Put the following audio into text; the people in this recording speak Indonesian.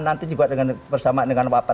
nanti juga bersamaan dengan wapar